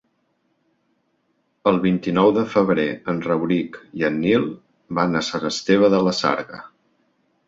El vint-i-nou de febrer en Rauric i en Nil van a Sant Esteve de la Sarga.